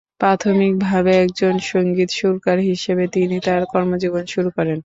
প্রাথমিকভাবে একজন সংগীত সুরকার হিসেবে তিনি তার কর্মজীবন শুরু করেন।